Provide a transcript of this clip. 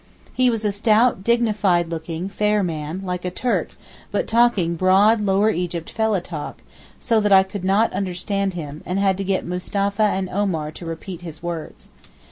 He was a stout, dignified looking fair man, like a Turk, but talking broad Lower Egypt fellah talk, so that I could not understand him, and had to get Mustapha and Omar to repeat his words.